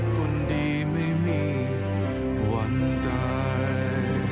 คนดีไม่มีวันใด